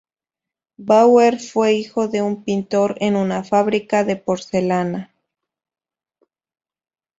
Bauer fue hijo de un pintor en una fábrica de porcelana.